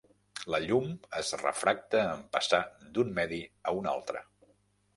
La llum es refracta en passar d'un medi a un altre.